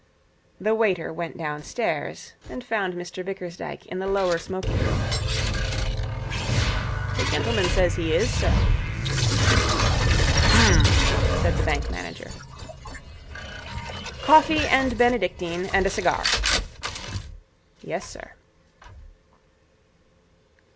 The waiter went downstairs and found Mr Bickersdyke in the lower smoking room. 'The gentleman says he is, sir.' 'H'm,' said the bank manager. 'Coffee and Benedictine, and a cigar.' 'Yes, sir.'